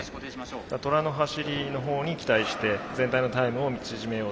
トラの走りのほうに期待して全体のタイムを縮めようと。